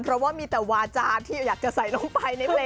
เพราะว่ามีแต่วาจานที่อยากจะใส่ลงไปในเพลง